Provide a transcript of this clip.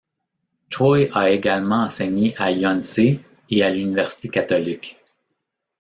Choi a également enseigné à Yonsei et à l'université Catholique.